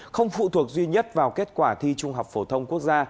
không phụ thuộc duy nhất vào kết quả thi trung học phổ thông quốc gia